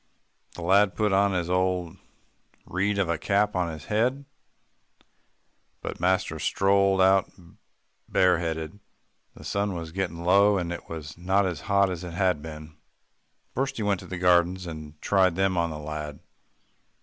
The lad put his old weed of a cap on his head, but master strolled out bareheaded. The sun was getting low, and it was not as hot as it had been. First he went to the gardens, and tried them on the lad.